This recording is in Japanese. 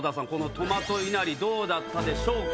トマトいなりどうだったでしょうか？